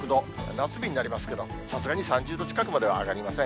夏日になりますけど、さすがに３０度近くまでは上がりません。